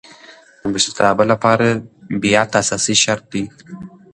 د مشرتابه له پاره بیعت اساسي شرط دئ.